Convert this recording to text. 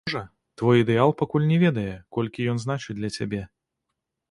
А можа, твой ідэал пакуль не ведае, колькі ён значыць для цябе?